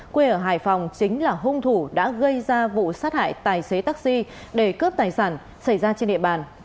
quê ở hải phòng chính là hung thủ đã gây ra vụ sát hại tài xế taxi để cướp tài sản xảy ra trên địa bàn